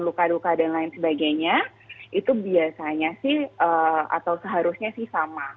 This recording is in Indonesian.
luka luka dan lain sebagainya itu biasanya sih atau seharusnya sih sama